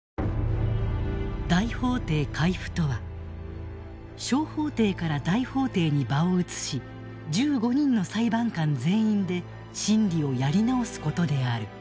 大法廷回付とは小法廷から大法廷に場を移し１５人の裁判官全員で審理をやり直すことである。